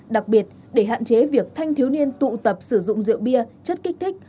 đặc biệt để hạn chế việc thanh thiếu niên tụ tập sử dụng rượu bia chất kích thích